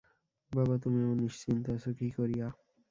বাবা, তুমি এমন নিশ্চিন্ত আছ কী করিয়া?